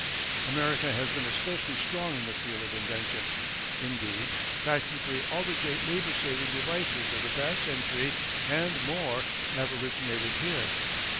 America has been especially strong in the field of invention. Indeed, practically all the great labor saving devices of the past century and more have originated here.